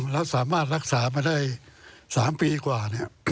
แล้วสามารถรักษามาได้๓ปีกว่า